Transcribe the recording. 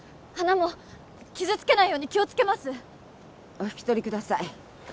花も傷つけないように気をつけますお引き取りください